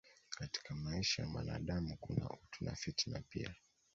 Katika maisha ya mwanadamu kuna utu na fitna pia